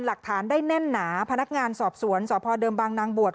หลักฐานได้แน่นหนาพนักงานสอบสวนสพเดิมบางนางบวช